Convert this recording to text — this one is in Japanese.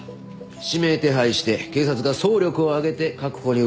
指名手配して警察が総力を挙げて確保に動く。